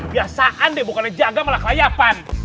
biasaan deh bukannya jaga malah kelayapan